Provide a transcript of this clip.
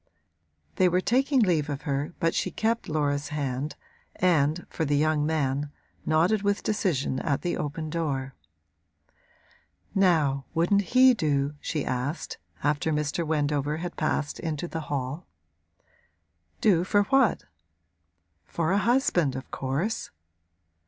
They were taking leave of her but she kept Laura's hand and, for the young man, nodded with decision at the open door. 'Now, wouldn't he do?' she asked, after Mr. Wendover had passed into the hall. 'Do for what?' 'For a husband, of course.'